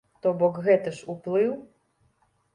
То бок, гэта ж уплыў.